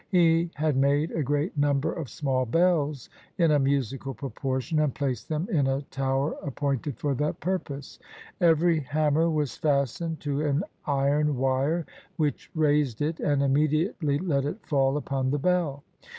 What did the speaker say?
He had made a great number of small bells in a musical proportion and placed them in a tower ap pointed for that purpose. Every hammer was fastened to an iron wire which raised it and immediately let it fall upon the bell.